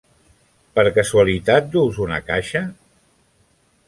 Per casualitat duus una caixa?